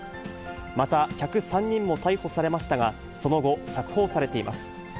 また客３人も逮捕されましたが、その後、釈放されています。